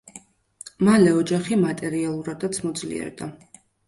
მალე ოჯახი მატერიალურადაც მოძლიერდა.